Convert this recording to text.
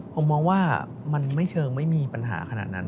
ผมมองว่ามันไม่เชิงไม่มีปัญหาขนาดนั้น